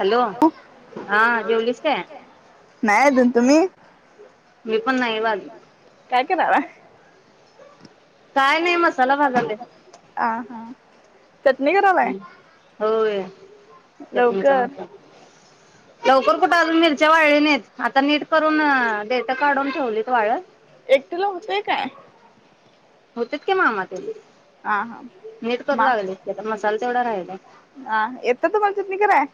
Hello, हां जेवलीस काय? नाही अजून तुम्ही मी पण नाही भाज काय करालाय? काय नाही मसाला भाजाल, आं हां. हम् होय चटणीचा लवकर हात आय. लवकर कुठं आजून मिरच्या वाळली नाहीत, आता नीट करून देटं काढून ठेवलीत वाळत. एकटिला हूतंय काय? होतेच की मामा तेन. हां-हां मा मसाला तेवढा राहिला आं-हां, एत्या तुमा चटणी कराय?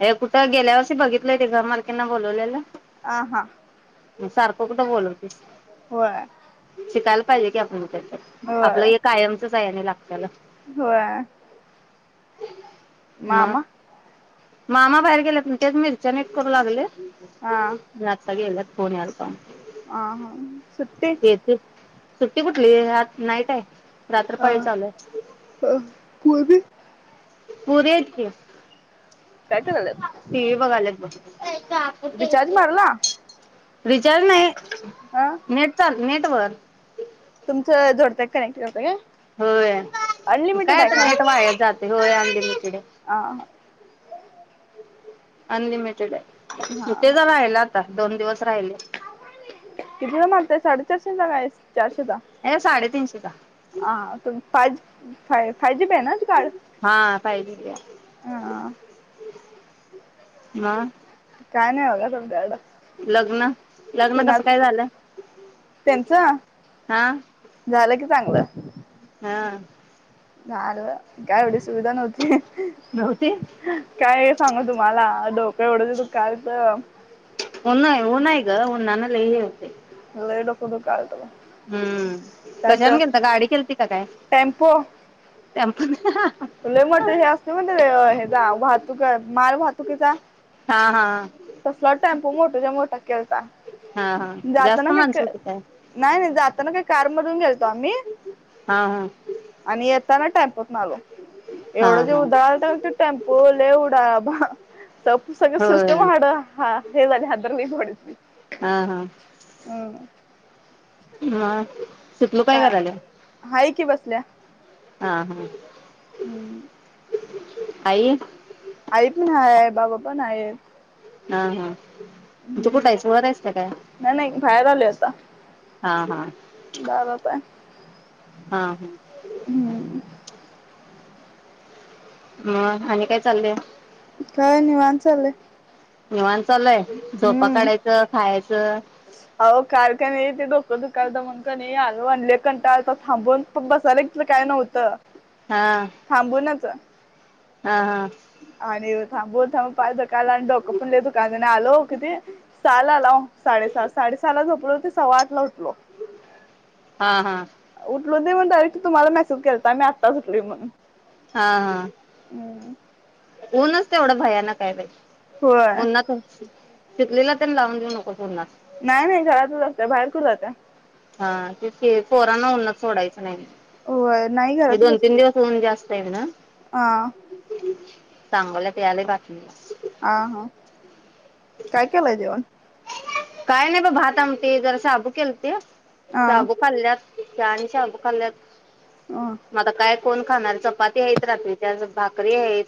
हे कुटं गेल्या वषी बघितलंय तेज्या मलकीना बोलवलेलं. हा हा म सारकं कुटं बोलवते. होय शिकायला पाहिजे की आपण तर. आपलं होय ए कायमचंच आहे आणि लागत्यालं. होय मामा मामा बाहेर गेलेत, तेच मिरच्या निट करू लागले. आता गेला [unintelligible] आ हा सु्ट्टे सुट्टी कुठली आज नाईट हाय. अह अ पुर्वी पोरी आहेत की काय करायल्यात टीव्ही बघायल्यात बघ. रिचार्ज मारला रिचार्ज नाही. हा नेट चाल नेट वर तुमचं जोडतं कनेक्ट करत काय? होय अनलिमिटेड काय आहे तर का नेट वाय जात [unintelligible] हा हा अनलिमिटेड हाय. हा किती हा तर राहिलं आता, दोन दिवस राहिले. कितीला मारताय साडेचारशेचा काय चारशेचा हे साडेतिनशे [inaudible] [unintelligible] फाय जिबी हाय ना कार्ड हा पाहिजे घ्या हा मग [unintelligible] लग्न लग्न कसं काय झालं? त्यांच हा झालं कि चांगलं हा झालं, काय एवढी सुविधा नव्हती. नव्हती काय सांग तुम्हाला डोक एवढंच कालचं ऊन हाय ऊन हाय ग उन्हानं नाही होते. लय डोकं दुखालतं बघ हम्म त्यात कशाने गेलता? गाडी केलती का काय? टेम्पो टेम्पोनं लय मोठे हे असते म्हणते ह्याजा वाहतूक माल वाहतुकीचा हा हा तसला टॅम्पो मोठाच्या मोठा हा हा जातना जास्त माणसं काय होती नाही नाही जातना काय गेलतो आम्ही हा हा आणि येताना टेम्पो मलो [unintelligible] हा एवढं जे हा उदळालंत तो टेम्पो लै उडा बा सगळ होय सिस्टम हड हा हे झाले तुमही परस [unintelligible] हा हा. हा. शितलू काय का करायलीया. हाय बसल्या हा हा. हम्म. आई. आई पण आहे बाबा पण आहेत. हा हा. तू कुठं आहेस वर आहेस का काय नाही नाही बाहेर आलोय आता. हा हा. दारात हाय. हा हा. हम्म ह आणि काय चाललयं. काय निवांत चाललय. निवांत चालू आहे. झोपा काढायचं खायच तर. आहो काल का नाही ते डोकं दुकालत म्हणून कणी आलो आणि लय कंटाळा आलता. थांबून बसायला बिहारला काय नव्हतं. हा थांबनच हा हा. आणि थांबून थांबून पाय दुखायला आणि डोक पण दुखायला आलो किती सहाला आलाव साडेसहा साडेसहा ला झोपलो ते सव्वा आठला उतलो. हा हा. टल दे मग डायरेक्ट तुम्हाला मेसेज केलता मी आता सुटलोय म्हणून. हा हा हम्म ऊनच तेवढं भयानक हाय बाई. होय उन्हातचकी शितलीला त्येन लावून देऊ नकोस ऊन्हात. नाही नाही घरातच असत्या बाहेर कुठ जात्या. हा तेचकि पोरांना उन्हात सोडायचं नाही. होय. नाही हे घरातच दोन तीन असते दिवस ऊन जास्त होव ना [inaudible] हा सांगोल्यात यालय बातमीला. आ हा काय केलय जेवण? काय नाही बग भात आमटी जरा शाबू केलते. हा शाबू खाल्ल्यात. चहा आणि शाबू खाल्ल्यात. हा मला काय कोण खाणार चपाती आहेत रात्री त् भाकरी आहेत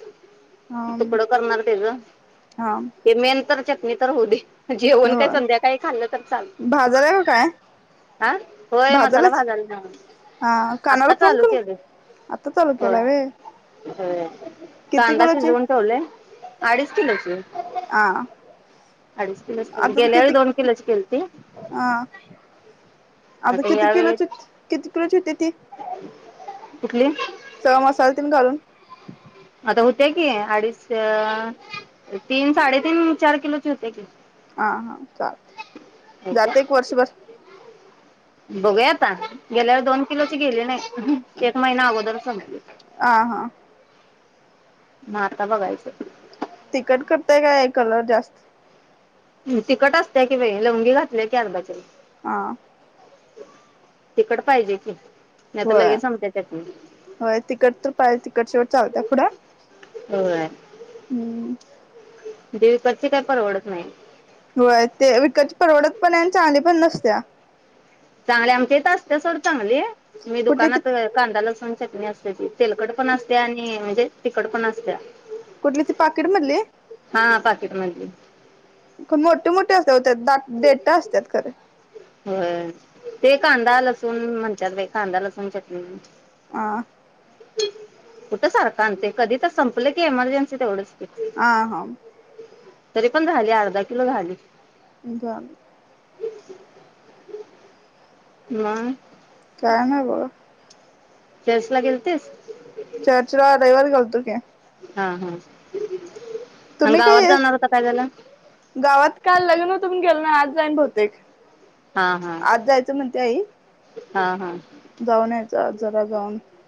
तुकड करणार त्याच हा ते मेन तर चटणी तर होऊ दे. जेवण काही होय संध्याकाळी खाल्लं तर चालत भाजालाय का काय? हा होय मसाला भाजालाच भाजायला हा कानाला आता फोन चालू करू केले आता चालू होय. केलाय व्हय हम् किती कांदा किलोची? शिजवून ठेवले. अडीच किलोची. ह अडीच किलोच आता तर गेल्या वेळी किती दोन किलोची केलती हा आता किती किलोची किती किलोची होती ती? कुठली? सगळे मसाले तन घालून. आता होतीया की अडीच तीन साडेतीन चार किलोची होते की. ह हा होत्या जात एक वर्षभर? बघूया आता गेल्यावेळची दोन किलोची गेले नाही एक महिना अगोदर संपली. आ हा मग आता बघायच. तिकट करताय काय कलर जास्त तिकखट असते्या कि बाई लवंगी घातल्या की अर्धा किलो. हा तिखडट पाहिजे की नाही तर हो लगेच संपत्या चटणी होय तिकट तर पाहिे तिकट शेवट चालत पुढे होय हम्म ती वीकतची काही परवडत नाही होय ते विकतची परवडत पण आहे चांगली पण नसतीया. चांगले आमच्या येत असते सोड चांगली. मी कुठली ती दुकानात कांदा लसून चटणी असत्या ती तिखट पण असत्या आणि तेलकट पण असत्या. कुठली ती पाकिट मधली. हा पाकिट मधली का मोठे मोठे- [unintelligible] देठ असत्यात काय त्यात. हो ते कांदा लसूण म्हणत्यात बाई कांदा लसूण चटणी. आ. कुठं सारखं आणतोय कधी तर संपलं की एमर्जन्सी तेवढच. आ हा. तरी पण झाली अर्धा किलो झाली. [inaudible] [inaudible] काय नई बगा. सस ला गेलतीस? चर्च ला रविवारी गेलतो. क [inaudible] हा हा. आणि तुम्ही गावात काय जाणार होता काय झालं गावात काल लग्न होत म्हणुन गेल नई आज जाईन बहुतेक हा हा आज जायचं म्हणते आई, हा हा जाऊन यायचं. [unintelligible]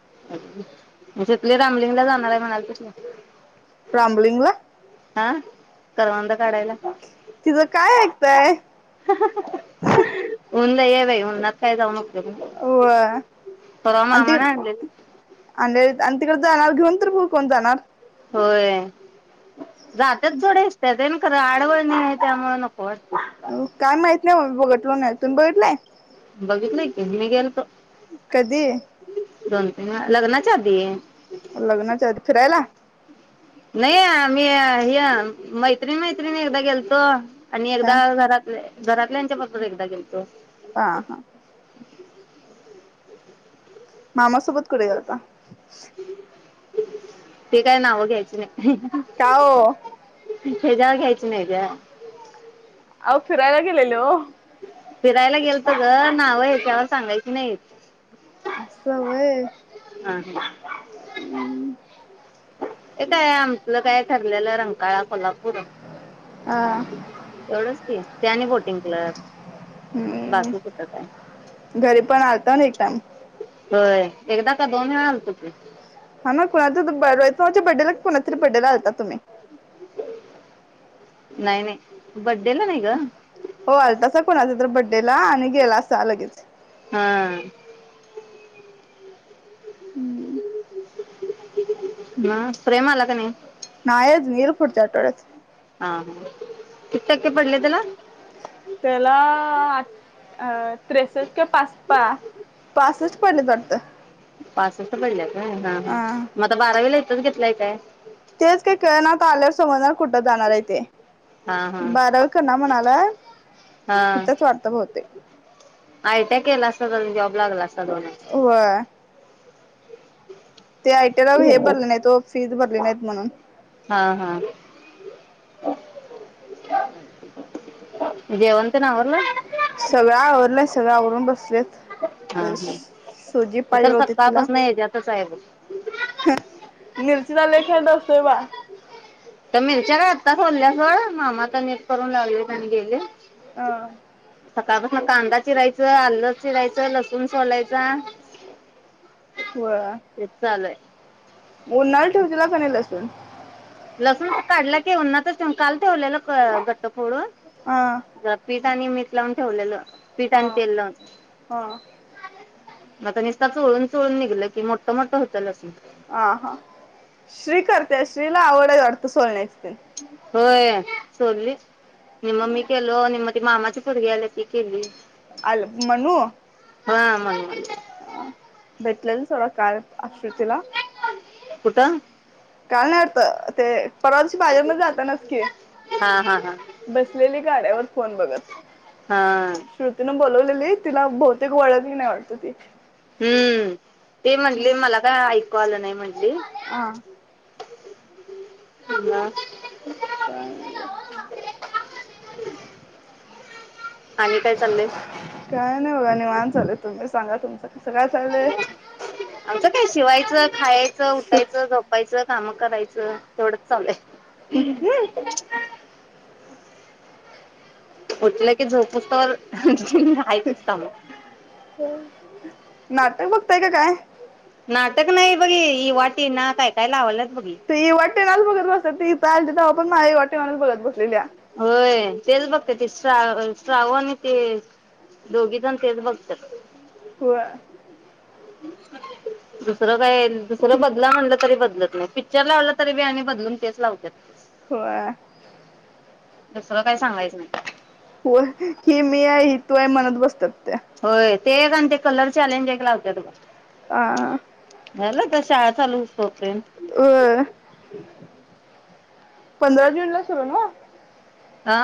म्हणजे तुम्ही रामलिंगला जाणार आहे म्हणा की. रामलिंगला? हा करवंद काढायला. तिचं काय ऐकताय. ऊन लय हाय बाई उनात काय जाऊ नको. होय आणि ते मामाने आणलेली आ. तिकडे जाणार घेऊन तर बू कोण जाणार. होय. जात्यात थोड्या एसट्या तेन कारण आडवनय त्यामुळ नको वाटतंय काय माहित नाय ओ मी बघलो नई तुम्ही बघितलाय बागीतलोय की मी गेल्तो. कधी? दोन तीन वेळा लग्नाच्या आधी लग्नाच्या आधी फिरायला. नाही मी ह्य मैत्रिण मैत्रिणी एकदा गेलतो. आणि हा एकदा घरातले. घरातल्यानंच्या बरोबर एकदा गेलतो. हा हा मामा सोबत कुठ गेलता ते काय नावं घ्यायची नाय. का ओ हेेज्यावर घ्यायच नाय ग आओ फिरायला गेलेले ओ फिरायला गेलतो ग नाव ह्याच्यावर सांगायची नाईत. अस व्हय. [unintelligible] [unintelligible] ते काय आपल काय ठरलेलं रंकाळा कोल्हापू बोला, हा एवढच की, ते आणि बोटिंग क्लब हम्म बाकी कुठ काय घरी पण आलता ना एक टाइम. होय. एकदा का दोन वेळा आलतो की हाना कोणाच तर [unintelligible] कोणाच्या बड्डेला कोणाच्यातरी बड्डेला आलता तुम्ही नाही नाही बड्डेला नाही ग हो आलतासा कोणाच्या तर बड्डेला आणि गेलास सा लगेच. हा हुं ब्रा प्रेम आला काय नाय. नाही आजुन येईल फूडच्या आठवड्यात. हा किती टक्के पडले तेला अं त्रेसष्ट पस पा पासष्ट पडलेत वाटत. पासष्ट पडल्यात. [unintelligible] हा ह मग आता बारावीलाय. तिथंच घेतलाय काय? तेच काय कळना तो आल्यावर समजणार कुठं जाणारये ते हा हा बारावी करणार म्हणायला तीतच वाटत बहुतेक आयटीया केला असता तरी जॉब लागला असता. सध ना [inaudible] होय ते आयटीला हे भरले नाही ओ फीज भरली नाहीत म्हणून. हा हा जेवण तेन आवरलं. सगळ आवरून बसलेस. हा मी तर होती तिला सकाकाळपासन हेच्यातच हाय बघ तिचा लई खाट असतोय बा. तर मिरच्या आत्ता सोल्यास होय, मामा आत्ता नीट करून लावल्यात आणि गेलीत. ह सकाळपासून कांदा चिरायचं आलं चिरायचं लसूण सोलायचा. तेच चालू हाय. उन्हाला ठेवचीला कणी लसूण. [inaudible] लसूण काढला की उन्हातच काल काल ठेवलेलं गट्ट फोडून. हा जरा पीठ आणि मीटलावून ठेवलेलं पीठ हा आणि तेल लावून. हा मग निस्ता चोळून चोळून निघलं की मोठं मोठं होतं अस आ हा श्री करते श्री ला आवड आहे वाटत सोलण्याची [inaudible] होय सोडली नि मग मी केलो आणि मग ती मामाची पोरगी आली ती केली अल म्हणू हा म भेटलेल थोडा काय आश्रुतीला कुठ काल न्हवत ते परवाशी बाजर म जातना च की हा हा हा बसलेली गाड्यावर फोन बघत हा श्रुतीनं बोलवलेली तिला बहुतेक वळणही नाही वाटत ती हम्म ते म्हटले मला काय ऐक कॉल नाही म्हटली हा ह का [unintelligible] आणि काय चाललंय काय नाही बघा निवांत चालय तुम्ही सांगा तुम आमचं काय शिवायचं खायचं चाललंय उठायचं झोपायचं काम करायचं तेवढंच चाललंय. उठलं की झोपूतवर ह्यातच काम नाटक बघताय का काय नाटक नाही बघी इवा, टीना काय काय लावण्यात तु वाट हॉटेनल बघत बसत तील पण मा हॉटेनलच बघत बसलेल्या होय तेच बघत ते श्रा श्राव आणि ते दोघी जण तेच बघत्यात होय दुसरं काय दुसर बदला म्हणलं तरी बदलत नाही पिक्चर लावलं तरी बी आणि बदलून तेच लावत्यात होय दुसर काय सांगायचं नाही हो ही मी आहे ही तू आहे मनत बसतेत होय ते एक आणि ते कलर आलेन जे लावत्यात ब आ शाळा चालू तो पर्यंत होय. पंधरा जूनला सुरु आहे नव्ह अ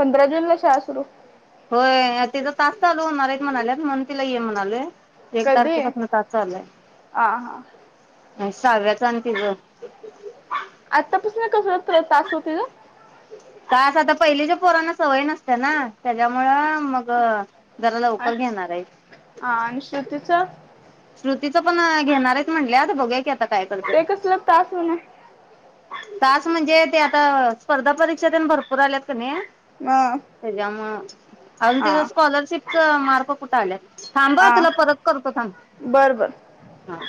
पंधरा जून ला शाळा सुरू होय तिचा तास चालू होणार आहे, म्हणालेत म्हणून तिला ये म्हणालोय एक कधी तारखेपासून तास चालू आ हा सहाव्याच आणि तीज आतापसन कस तास ओ तिझं तास आता पहिलीच्या पोरांना सवय नसत ना त्याज्यामुळं मग जरा आ लवकर घेणार आहेत. आणि श्रुतीच तीच पण घेणार आहेत म्हणल्यात बघु या की आ ते कसल तास हो ना तास म्हणजे ते आता स्पर्धा परीक्षा तेन भरपूर आल्यात कनाइ म, त्याज्यामुळं अजून तीज हा स्कॉलरशिप च मार्क कुठं आल्यात थांबा हं तुला परत करतो थांब बरं बर हा.